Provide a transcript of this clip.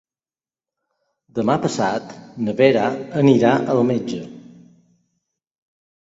Demà passat na Vera irà al metge.